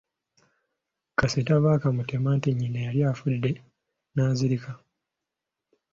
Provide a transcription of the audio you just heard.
Kasita baakamutema nti nnyina yali afudde n’azirirka.